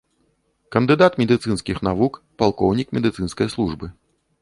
Кандыдат медыцынскіх навук, палкоўнік медыцынскай службы.